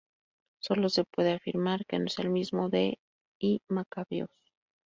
Sólo se puede afirmar que no es el mismo de I Macabeos.